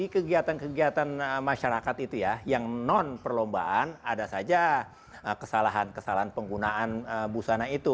kegiatan kegiatan masyarakat itu ya yang non perlombaan ada saja kesalahan kesalahan penggunaan busana itu